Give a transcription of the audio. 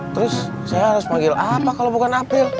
terus saya harus manggil apa kalo bukan april